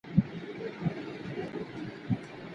کرني پوهنځۍ بې اسنادو نه ثبت کیږي.